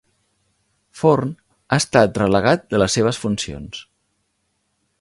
Forn ha estat relegat de les seves funcions